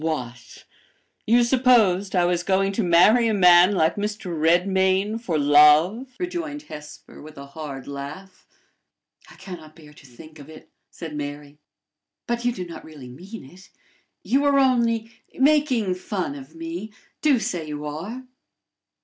"What! you supposed I was going to marry a man like Mr. Redmain for love?" rejoined Hesper, with a hard laugh. "I can not bear to think of it!" said Mary. "But you do not really mean it! You are only making fun of me! Do say you are."